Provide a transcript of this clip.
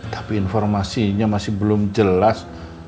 tapi informasinya masih belum jelas